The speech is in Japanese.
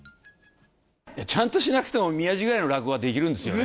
ちゃんとしなくても、宮治ぐらいの落語はできるんですよね。